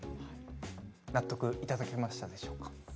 納得いただけましたでしょうか。